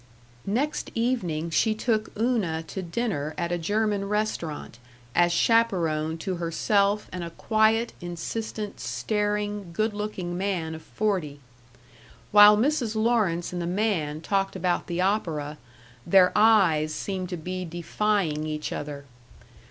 Next evening she took Una to dinner at a German restaurant, as chaperon to herself and a quiet, insistent, staring, good looking man of forty. While Mrs. Lawrence and the man talked about the opera, their eyes seemed to be defying each other.